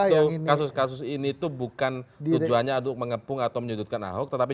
untuk kasus kasus ini itu bukan tujuannya untuk mengepung atau menyudutkan ahok tetapi